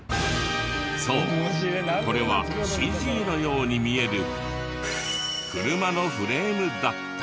そうこれはＣＧのように見える車のフレームだった。